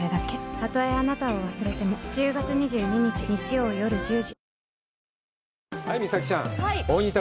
「たとえあなたを忘れても」、１０月２２日日曜日夜１０時。